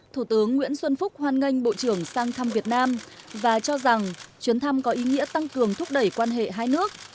thủ tướng nguyễn xuân phúc hoan nghênh bộ trưởng sang thăm việt nam và cho rằng chuyến thăm có ý nghĩa tăng cường thúc đẩy quan hệ hai nước